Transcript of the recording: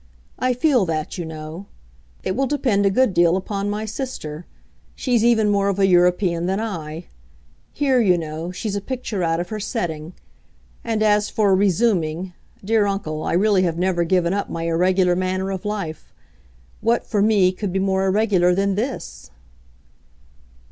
I feel that, you know. It will depend a good deal upon my sister. She's even more of a European than I; here, you know, she's a picture out of her setting. And as for 'resuming,' dear uncle, I really have never given up my irregular manner of life. What, for me, could be more irregular than this?"